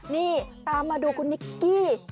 นี่ตามมาดูคุณนิกกี้